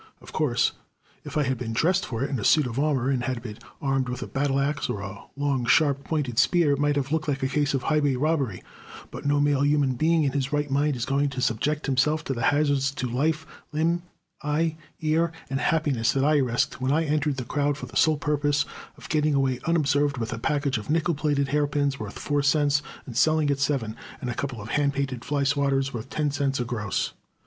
Of course, if I had been dressed for it in a suit of armor, and had been armed with a battle axe, or a long, sharp pointed spear, it might have looked like a case of highway robbery; but no male human being in his right mind is going to subject himself to the hazards to life, limb, eye, ear, and happiness, that I risked when I entered that crowd for the sole purpose of getting away unobserved with a package of nickel plated hairpins, worth four cents and selling at seven, and a couple of hand painted fly swatters worth ten cents a gross."